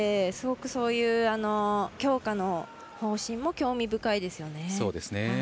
すごく、そういう強化の方針も興味深いですよね。